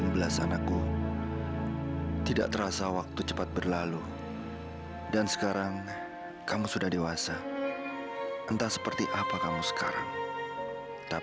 benar begitu alena